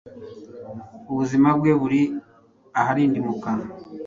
Ubuzima bwe buri aharindimuka